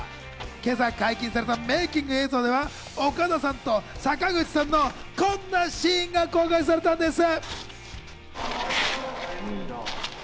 今朝解禁されたメイキング映像では岡田さんと坂口さんのこんなシーンが公開されたんです。